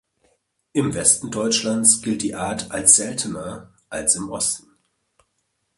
Im Westen Deutschlands gilt die Art als seltener als im Osten.